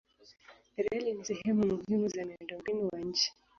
Reli ni sehemu muhimu za miundombinu wa nchi.